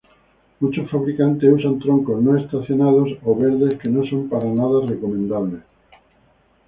Muchos fabricantes usan troncos no estacionados o verdes que no son para nada recomendables.